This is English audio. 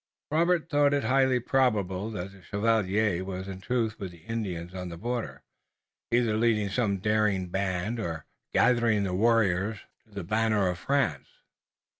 Robert thought it highly probable that the chevalier was in truth with the Indians on the border, either leading some daring band or gathering the warriors to the banner of France.